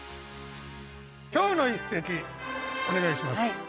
今日の一席お願いします。